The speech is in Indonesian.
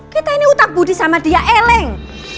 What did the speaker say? kita ini utak budi sama dia eleng